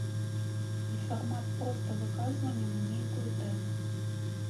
І фармат проста выказвання на нейкую тэму.